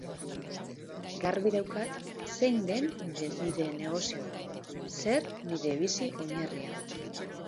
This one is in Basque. Garbi daukat zein den nire negozioa, zer nire bizi-oinarria.